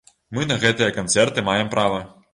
Мы на гэтыя канцэрты маем права!